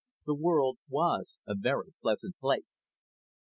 The world was a very pleasant place.